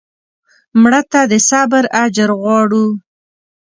مړه ته د صبر اجر غواړو